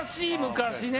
昔ね。